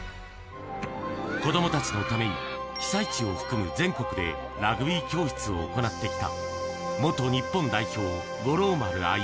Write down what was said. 子どもたちのために、被災地を含む全国でラグビー教室を行ってきた元日本代表、五郎丸歩。